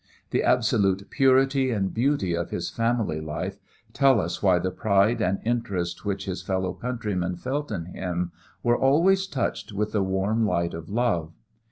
The absolute purity and beauty of his family life tell us why the pride and interest which his fellow countrymen felt in him were always touched with the warm light of love.